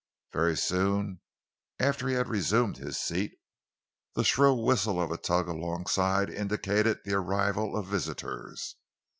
Very soon after he had resumed his seat, the shrill whistle of a tug alongside indicated the arrival of visitors.